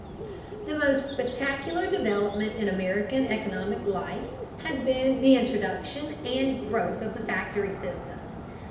The most spectacular development in American economic life has been the introduction and growth of the factory system.